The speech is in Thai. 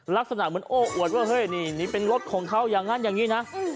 ลักษณะเหมือนโอ้อวดว่าเฮ้ยนี่เป็นรถของเขาอย่างนั้นอย่างนี้นะ